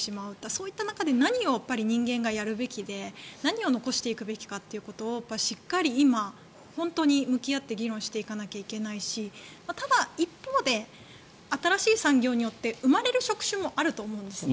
そういった中で何を人間がやるべきで何を残していくべきかということを向き合って議論していかないといけないしただ、一方で新しい産業によって生まれる職種もあると思うんです。